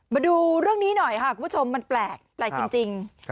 มาดูเรื่องนี้หน่อยค่ะคุณผู้ชมมันแปลกจริง